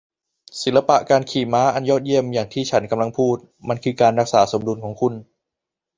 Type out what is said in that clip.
ศิลปะการขี่ม้าอันยอดเยี่ยมอย่างที่ฉันกำลังพูด มันคือการรักษาสมดุลของคุณ